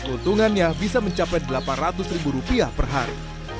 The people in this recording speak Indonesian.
untungannya bisa mencapai delapan ratus ribu rupiah per hari